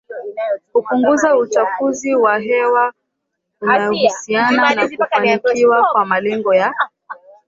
kupunguza uchafuzi wa hewa kunahusiana na kufanikiwa kwa Malengo ya